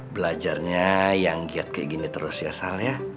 belajarnya yang giat kayak gini terus ya sal ya